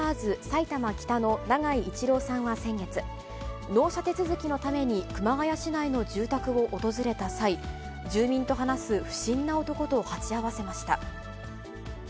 埼玉北の長井一郎さんは先月、納車手続きのために熊谷市内の住宅を訪れた際、住民と話す不審な男と鉢合わせました。